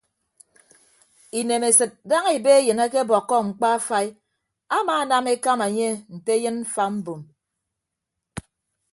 Inemesịd daña ebe eyịn akebọkkọ mkpa afai amaanam ekama enye nte eyịn mfa mbom.